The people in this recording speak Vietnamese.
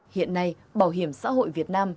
hiện nay bảo hiểm xã hội việt nam